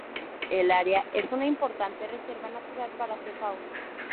El área es una importante reserva natural para su fauna.